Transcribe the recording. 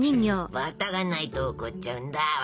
バターがないと怒っちゃうんだワシは。